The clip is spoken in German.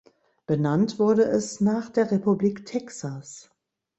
Benannt wurde es nach der Republik Texas.